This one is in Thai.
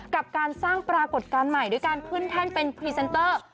กับการสร้างปรากฏการณ์ใหม่ด้วยการขึ้นแท่นเป็นพรีเซนเตอร์